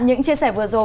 những chia sẻ vừa rồi